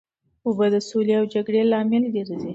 اوبه د سولې او جګړې لامل ګرځي.